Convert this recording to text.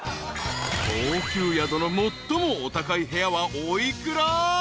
［高級宿の最もお高い部屋はお幾ら？］